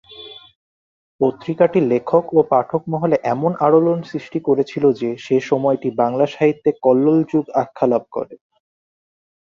পত্রিকা টি লেখক ও পাঠক মহলে এমন আলোড়ন সৃষ্টি করেছিল যে সে সময়টি বাংলা সাহিত্যে 'কল্লোল যুগ' আখ্যা লাভ করে।